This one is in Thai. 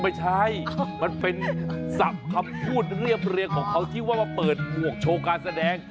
ไม่ใช่มันเป็นศัพท์คำพูดเรียบเรียงของเขาที่ว่ามาเปิดหมวกโชว์การแสดง